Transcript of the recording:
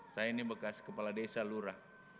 saya ini bekas kepala desa lurah